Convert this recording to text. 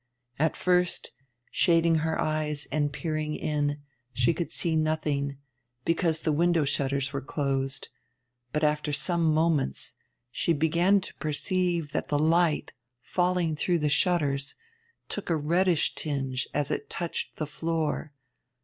At first, shading her eyes and peering in, she could see nothing, because the window shutters were closed. But after some moments she began to perceive that the light, falling through the shutters, took a reddish tinge as it touched the floor.